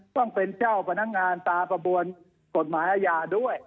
ต้องเป็นเจ้าพนักงานตามประมวลกฎหมายอาญาด้วย